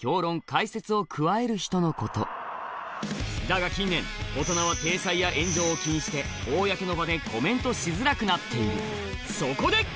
だが近年大人は体裁や炎上を気にして公の場でコメントしづらくなっているそこで！